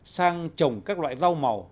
sang trồng các loại rau màu